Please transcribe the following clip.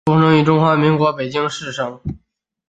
出生于中华民国北京市生。